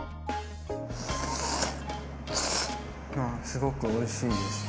すごくおいしいです。